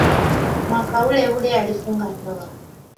Mwaka uleule alifunga ndoa.